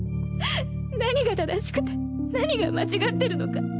何が正しくて何が間違ってるのか。